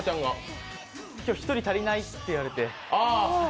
今日、１人足りないって言われて。